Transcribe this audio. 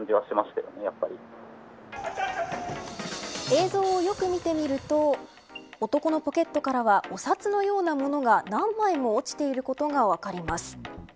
映像をよく見てみると男のポケットからはお札のようなものが何枚も落ちていることが分かります。